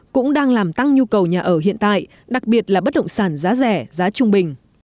cũng đang làm tăng nhu cầu nhà ở hiện tại đặc biệt là bất động sản giá rẻ giá trung bình